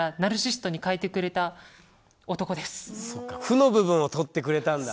そうか「負」の部分を取ってくれたんだ。